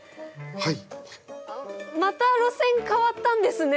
はい。